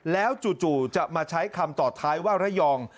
แล้วจู่จะมาใช้คำต่อท้ายว่าระยอง